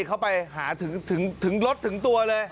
เข้าไปหาถึงรถถึงตัวเลย